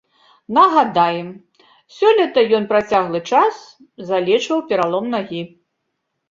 Нагадаем, сёлета ён працяглы час залечваў пералом нагі.